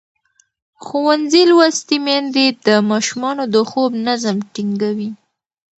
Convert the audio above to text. ښوونځې لوستې میندې د ماشومانو د خوب نظم ټینګوي.